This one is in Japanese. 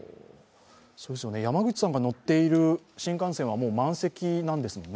山口さんが乗っている新幹線はもうほぼ満席なんですもんね。